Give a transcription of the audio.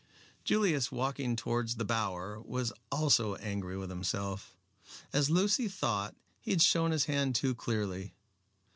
Julius, walking towards the Bower, was also angry with himself. As Lucy thought, he had shown his hand too clearly.